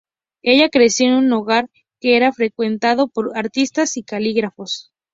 Ella creció en un hogar que era frecuentado por artistas y calígrafos.